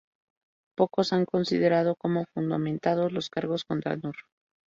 Pocos han considerado como fundamentados los cargos contra Nour.